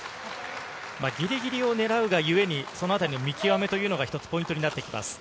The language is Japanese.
ぎりぎりを狙うがゆえに、そのあたりの見極めというのが、一つ、ポイントになってきます。